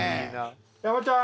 山ちゃん